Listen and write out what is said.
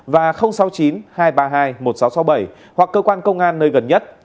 và sáu mươi chín hai trăm ba mươi hai một nghìn sáu trăm sáu mươi bảy hoặc cơ quan công an nơi gần nhất